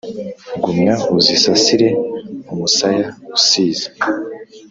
gumya uzisasire umusaya usize